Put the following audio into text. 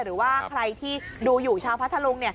หรือว่าใครที่ดูอยู่ชาวพัทธลุง